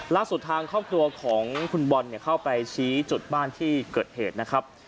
ล่าสุดทางข้อคตัวของคุณบ้อนข้อไปชี้จุดบ้านเคริดเหตุนะครับ